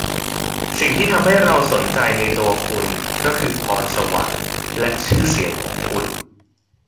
สิ่งที่ทำให้เราสนใจในตัวคุณก็คือพรสวรรค์และชื่อเสียงของคุณ